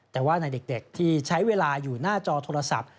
แต่ว่าในเด็กที่ใช้เวลาอยู่หน้าจอโทรศัพท์